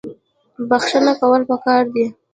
بخښنه کول پکار دي